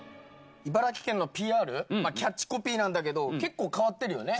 茨城県のＰＲ、キャッチコピーなんだけど、結構変わってるよね。